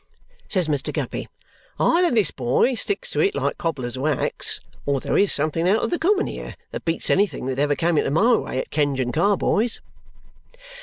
says Mr. Guppy. "Either this boy sticks to it like cobbler's wax or there is something out of the common here that beats anything that ever came into my way at Kenge and Carboy's."